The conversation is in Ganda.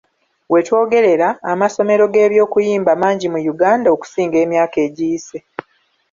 Wetwogerera, amasomero g'eby'okuyimba mangi mu Uganda okusinga emyaka egiyise.